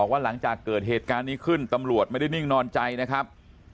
ว่าหลังจากเกิดเหตุการณ์นี้ขึ้นตำรวจไม่ได้นิ่งนอนใจนะครับ